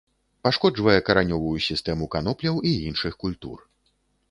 Пашкоджвае каранёвую сістэму канопляў і іншых культур.